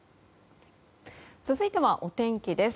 続いてはお天気です。